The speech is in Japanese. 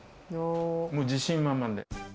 もう自信満々で。